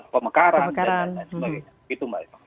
pemekaran dan sebagainya